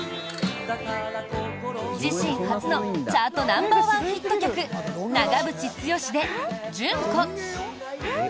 自身初のチャートナンバーワンヒット曲長渕剛で「順子」。